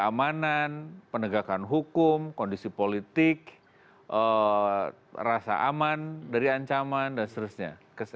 keamanan penegakan hukum kondisi politik rasa aman dari ancaman dan seterusnya